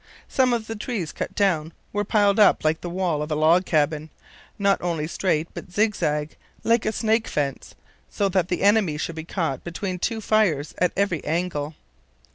Some of the trees cut down were piled up like the wall of a log cabin, only not straight but zigzag, like a 'snake' fence, so that the enemy should be caught between two fires at every angle.